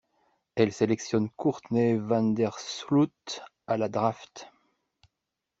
Elle sélectionne Courtney Vandersloot à la draft.